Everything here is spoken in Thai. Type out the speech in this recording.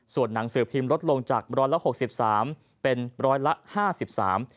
ส่วนนางสื่อพิมพ์ลดลงจากร้อยละ๖๓เป็นร้อยละ๕๓